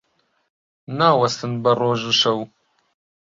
ناوەستن بە ڕۆژ و شەو